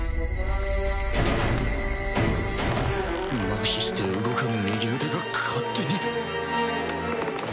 ・麻痺して動かぬ右腕が勝手に